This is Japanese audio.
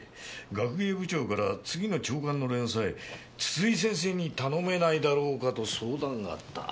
学芸部長から次の朝刊の連載筒井先生に頼めないだろうかと相談があった。